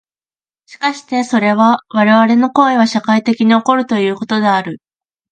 しかしてそれは我々の行為は社会的に起こるということである。